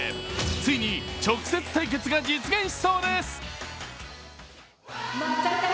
ついに直接対決が実現しそうです。